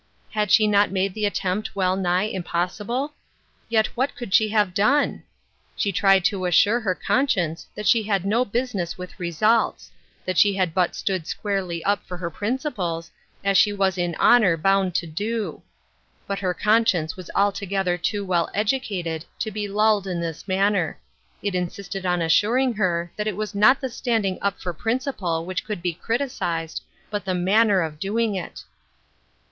Had she not made the attempt well nigh impossible ? Yet what could she have done ? She tried to assure her conscience that she had no business with results ; that she had but stood squarely up for her principles, as she was in honor bound to do. But her conscience was altogether too well educated to be lulled in this manner ; it insisted on assuring her that it was not the standing up for principle which could be criticised, but the manner of doing it.